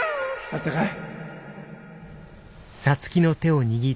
あったかい？